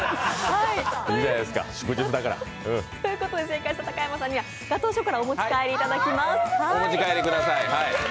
いいじゃないですか、祝日ですから正解した高山さんにはガトーショコラお持ち帰りいただきます。